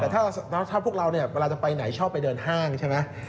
แต่ถ้าพวกเราเนี่ยเวลาจะไปไหนชอบไปเดินห้างใช่ไหม